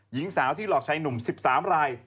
หญิงสาวที่หลอกชายหนุ่ม๑๓ราย